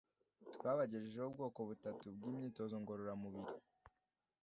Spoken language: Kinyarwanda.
twabagejejeho ubwoko butatu bw'imyitozo ngororamubiri